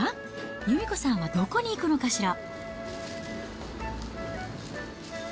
由美子さんはどこに行くのかしら。